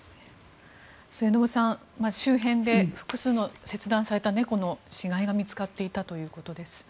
末延さん、周辺で複数の切断された猫の死骸が見つかっていたということです。